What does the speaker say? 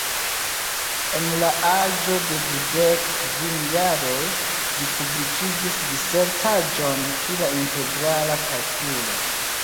En la aĝo de dudek kvin jaroj li publikigis disertaĵon pri la integrala kalkulo.